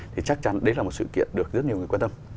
thì chắc chắn đấy là một sự kiện được rất nhiều người quan tâm